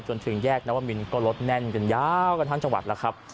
จนถึงแยกนวมินก็รถแน่นกันยาวกันทั้งจังหวัดแล้วครับ